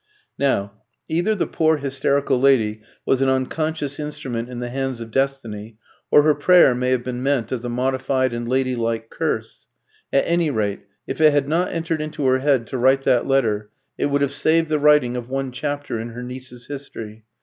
Now, either the poor hysterical lady was an unconscious instrument in the hands of Destiny, or her prayer may have been meant as a modified and lady like curse; at any rate, if it had not entered into her head to write that letter, it would have saved the writing of one chapter in her niece's history.